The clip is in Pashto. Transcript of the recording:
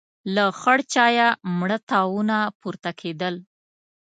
له خړ چايه مړه تاوونه پورته کېدل.